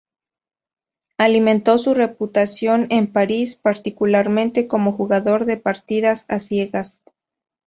Alimentó su reputación en París, particularmente como jugador de partidas a ciegas.